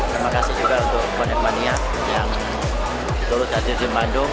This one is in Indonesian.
terima kasih juga untuk bonek mania yang dulu datang dari bandung